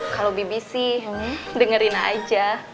kalau bbc dengerin aja